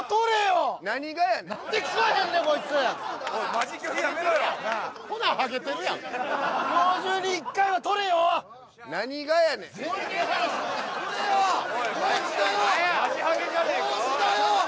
マジハゲじゃねえか帽子だよ！